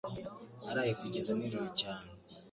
Naraye kugeza nijoro cyane.